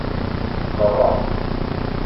Tqeṛṛeḥ!